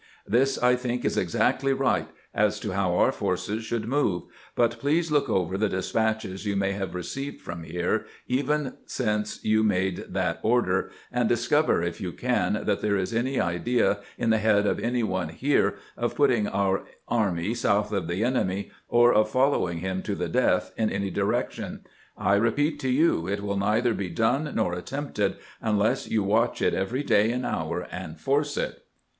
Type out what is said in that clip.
This, I think, is exactly right as to how our forces should move ; but please look over the despatches you may have received from here even since you made that order, and discover, if you can, that there is any idea in the head of any one here of ' putting our army south of the enemy,' or of ' follow ing him to the death ' in any direction. I repeat to you, it will neither be done nor attempted unless you watch it every day and hour, and force it.